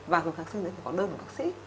và dùng tháng sinh đấy phải có đơn của bác sĩ